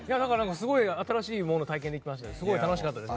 すごい新しいものが体験できてすごい楽しかったです。